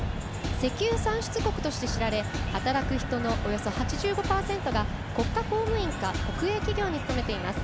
石油産出国として知られ働く人のおよそ８５％が国家公務員か国営企業に勤めています。